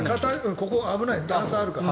ここ危ない段差があるから。